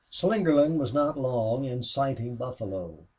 Slingerland was not long in sighting buffalo.